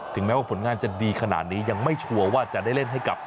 แม้ว่าผลงานจะดีขนาดนี้ยังไม่ชัวร์ว่าจะได้เล่นให้กับ